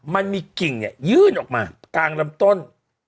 มันมีกิ่งเนี่ยยื่นออกมากลางลำต้น